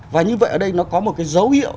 và như vậy ở đây nó có một cái dấu hiệu